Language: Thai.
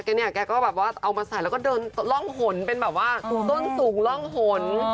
เนี่ยแกก็แบบว่าเอามาใส่แล้วก็เดินร่องหนเป็นแบบว่าต้นสูงร่องหน